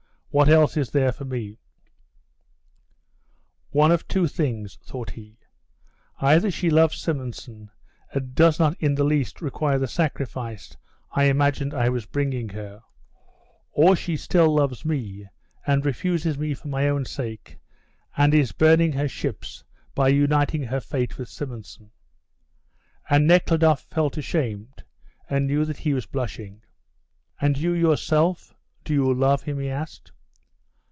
What else is there for me " "One of two things," thought he. "Either she loves Simonson and does not in the least require the sacrifice I imagined I was bringing her, or she still loves me and refuses me for my own sake, and is burning her ships by uniting her fate with Simonson." And Nekhludoff felt ashamed and knew that he was blushing. "And you yourself, do you love him?" he asked.